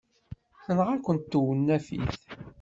Tenɣa-kent tewnafit.